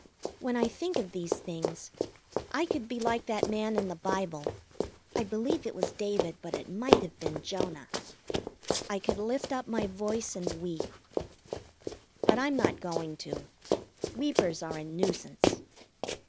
4 when I think of these things, I could be like that man in the Bible (I believe it was David, but it might have been Jonah), I could lift up my voice and weep. But I'm not going to. Weepers are a nuisance.